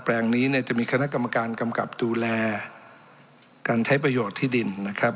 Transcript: แปลงนี้เนี่ยจะมีคณะกรรมการกำกับดูแลการใช้ประโยชน์ที่ดินนะครับ